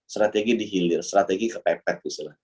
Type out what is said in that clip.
strategi dihilir strategi kepepek